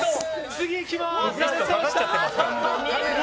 次行きます！